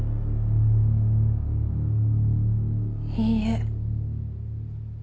いいえ。